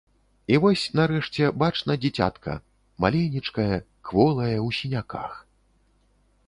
І вось нарэшце бачна дзіцятка — маленечкае, кволае, у сіняках.